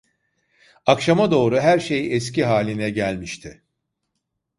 Akşama doğru her şey eski haline gelmişti.